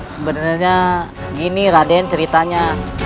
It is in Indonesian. sebenarnya gini raden ceritanya